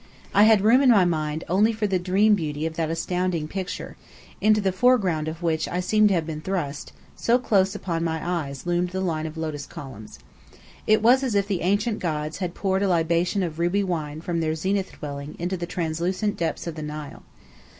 I had room in my mind only for the dream beauty of that astounding picture, into the foreground of which I seemed to have been thrust, so close upon my eyes loomed the line of lotus columns. It was as if the ancient gods had poured a libation of ruby wine from their zenith dwelling into the translucent depths of the Nile.